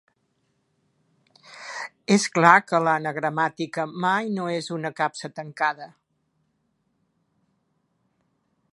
És clar que l'anagramàtica mai no és una capsa tancada.